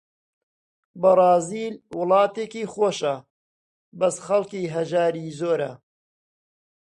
بەرازیل وڵاتێکی خۆشە، بەس خەڵکی هەژاری زۆرە